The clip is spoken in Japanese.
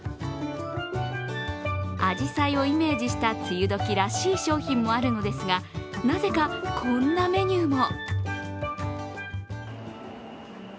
あじさいをイメージした梅雨時らしい商品もあるのですが、なぜか、こんなメニューも。